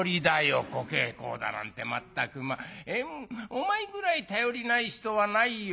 お前ぐらい頼りない人はないよ。